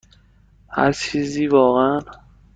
هر چیزی، واقعا.